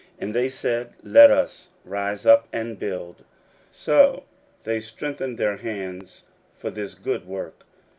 And they said, Let us rise up and build. So they strengthened their hands for this good work.